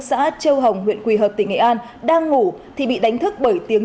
xã châu hồng huyện quỳ hợp tỉnh nghệ an đang ngủ thì bị đánh thức bởi dịch bệnh